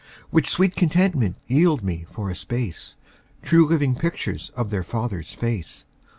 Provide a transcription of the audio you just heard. Which sweet contentment yield me for a space, True living pictures of their father's face.